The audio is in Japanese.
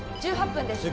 １８分です。